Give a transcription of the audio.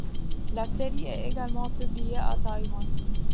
La série est également publiée à Taïwan.